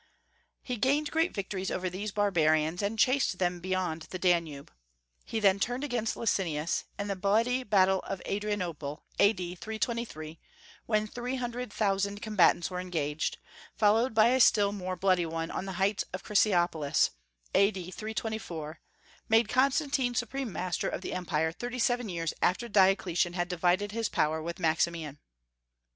He gained great victories over these barbarians, and chased them beyond the Danube. He then turned against Licinius, and the bloody battle of Adrianople, A.D. 323, when three hundred thousand combatants were engaged, followed by a still more bloody one on the heights of Chrysopolis, A.D. 324, made Constantine supreme master of the Empire thirty seven years after Diocletian had divided his power with Maximian.